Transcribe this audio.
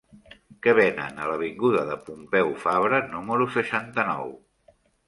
Què venen a l'avinguda de Pompeu Fabra número seixanta-nou?